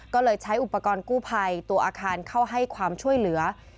ก็เลยใช้อุปกรณ์กู้ภัยตัวอาคารเข้าให้ความช่วยเหลือ